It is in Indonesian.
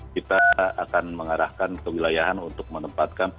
kita akan mengarahkan kewilayahan untuk menempatkan